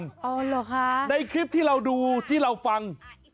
อ๋อเหรอคะในคลิปที่เราดูที่เราฟัง